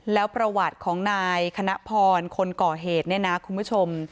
แล้วประวัติของนายคณะพรคนก่อเหตุเนี่ยนะคุณผู้ชม